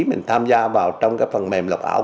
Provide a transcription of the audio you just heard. mình tham gia vào trong cái phần mềm lọc ảo